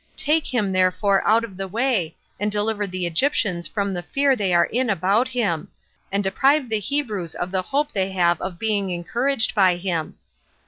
Take him, therefore, out of the way, and deliver the Egyptians from the fear they are in about him; and deprive the Hebrews of the hope they have of being encouraged by him."